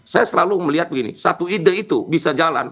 saya selalu melihat begini satu ide itu bisa jalan